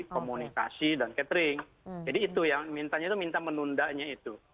komunikasi dan catering jadi itu yang mintanya itu minta menundanya itu